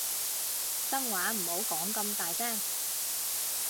真話唔好講咁大聲